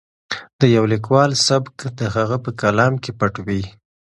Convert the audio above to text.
د یو لیکوال سبک د هغه په کلام کې پټ وي.